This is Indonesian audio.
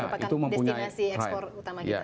merupakan destinasi ekspor utama kita